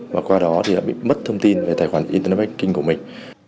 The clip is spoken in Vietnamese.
và qua đó thì bị mất thông tin về tài khoản internet banking của mình